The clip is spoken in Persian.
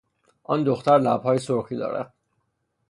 آن دختر لبهای سرخی دارد.